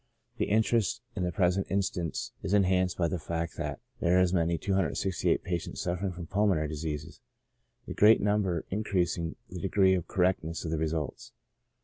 The interest in the present instance is enhanced by the fact, that there are as many as 268 patients suffering from pulmonary diseases — the great number increasing the degree of correctness of the results.